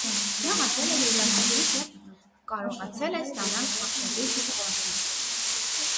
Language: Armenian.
Նա հասել է եզրափակիչ և կարողացել ստանալ հաղթողի տիտղոսը։